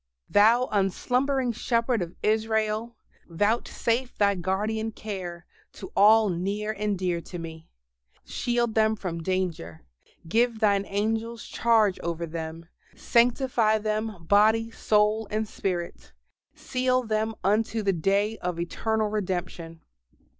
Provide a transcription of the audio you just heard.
Thou unslumbering Shepherd of Israel, vouchsafe Thy guardian care to all near and dear to me: shield them from danger: give Thine angels charge over them; sanctify them body, soul, and spirit; seal them unto the day of eternal redemption.